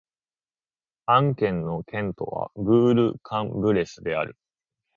アン県の県都はブール＝カン＝ブレスである